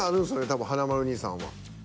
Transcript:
多分華丸兄さんは。